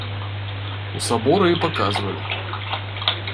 У саборы і паказвалі.